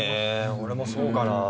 俺もそうかな。